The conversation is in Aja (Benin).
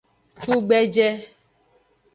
Cugbeje.